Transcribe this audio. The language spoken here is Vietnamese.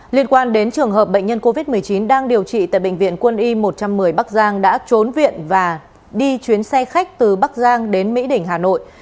liên quan đến trường hợp bệnh nhân covid một mươi chín đang điều trị tại bệnh viện quân y một trăm một mươi bắc giang đã trốn viện và đi chuyến xe khách từ bắc giang đến mỹ đỉnh hà nội